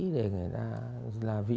để người ta là vị